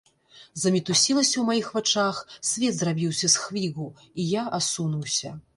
Замітусілася ў маіх вачах, свет зрабіўся з хвігу, і я асунуўся.